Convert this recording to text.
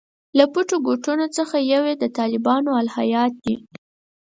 له پټو ګوټونو څخه یو یې طالبانو الهیات دي.